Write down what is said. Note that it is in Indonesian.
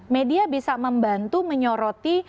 media bisa membantu menyoroti